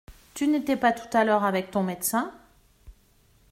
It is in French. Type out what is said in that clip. Tu n’étais pas tout à l’heure avec ton médecin ?